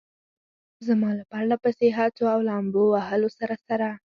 زما له پرله پسې هڅو او لامبو وهلو سره سره.